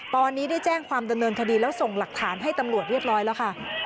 ตอนนี้ได้แจ้งความดำเนินคดีแล้วส่งหลักฐานให้ตำรวจเรียบร้อยแล้วค่ะ